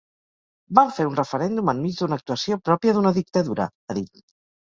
Vam fer un referèndum enmig d’una actuació pròpia d’una dictadura, ha dit.